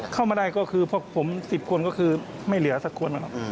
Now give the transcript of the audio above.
เข้ามาได้ก็คือพวกผม๑๐คนก็คือไม่เหลือสักคน